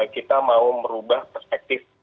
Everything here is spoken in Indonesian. kita mau merubah perspektif